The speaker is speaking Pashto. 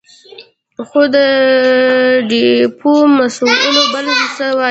خو د ډېپو مسوول بل څه وايې.